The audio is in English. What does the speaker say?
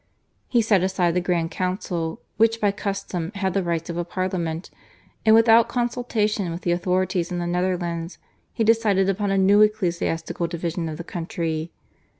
He set aside the Grand Council which by custom had the rights of a parliament, and without consultation with the authorities in the Netherlands he decided upon a new ecclesiastical division of the country.